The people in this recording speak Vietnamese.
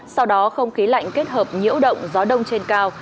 sau đó không khí lạnh kết hợp nhiễu động gió đông trên cao